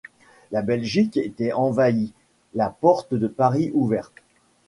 La Belgique était envahie, la porte de Paris ouverte.